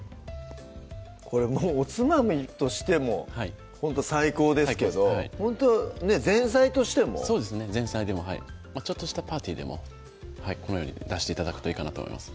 これおつまみとしてもほんと最高ですけどほんと前菜としてもそうですね前菜でもちょっとしたパーティーでもこのように出して頂くといいかなと思います